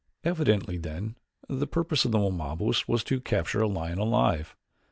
Evidently, then, the purpose of the Wamabos was to capture a lion alive.